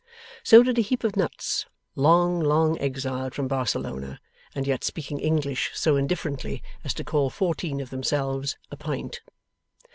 So did a heap of nuts, long, long exiled from Barcelona, and yet speaking English so indifferently as to call fourteen of themselves a pint.